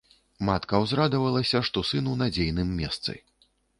Матка ўзрадавалася, што сын у надзейным месцы.